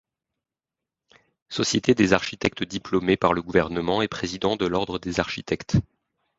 Société des Architectes Diplômés par le Gouvernement et président de l'ordre des architectes.